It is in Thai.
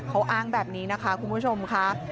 เขาอ้างแบบนี้นะคะคุณผู้ชมค่ะ